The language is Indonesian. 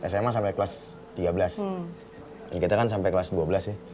sma sampai kelas tiga belas kita kan sampai kelas dua belas ya